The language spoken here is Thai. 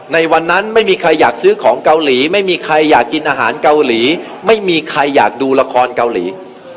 ในวันนั้นไม่มีใครอยากซื้อของเกาหลีไม่มีใครอยากกินอาหารเกาหลีไม่มีใครอยากดูละครเกาหลี